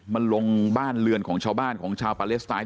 มันลงบ้านเรือนของชาวบ้านของชาวปาเลสไตน